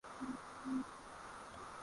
viongozi wa mataifa mia moja tisini na nne